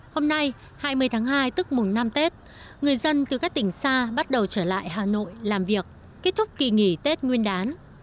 hôm nay hai mươi tháng hai tức mùng năm tết người dân từ các tỉnh xa bắt đầu trở lại hà nội làm việc kết thúc kỳ nghỉ tết nguyên đán